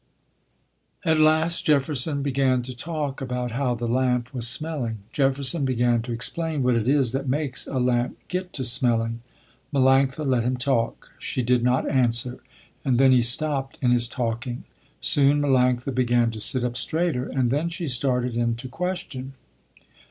At last Jefferson began to talk about how the lamp was smelling. Jefferson began to explain what it is that makes a lamp get to smelling. Melanctha let him talk. She did not answer, and then he stopped in his talking. Soon Melanctha began to sit up straighter and then she started in to question.